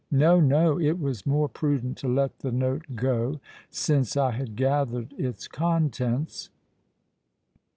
No—no: it was more prudent to let the note go, since I had gathered its contents."